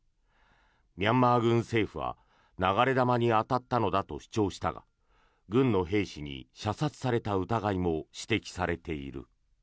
ミャンマー軍政府は流れ弾に当たったのだと主張したが軍の兵士に射殺された疑いも指摘されている。